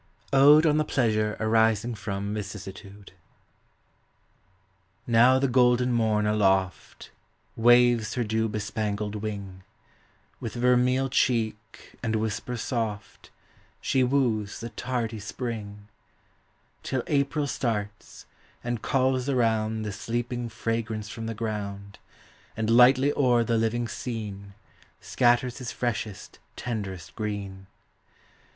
ODE OX THE PLEASURE ARISING FROM VICISSITUDE. Now the golden Morn aloft Waves her dew bespangled wing, With vermeil cheek and whisper soft She woos the tardy Spring : Till April starts, and calls around The sleeping fragrance from the ground And lightly o'er the living scene Scatters his freshest, tenderest green.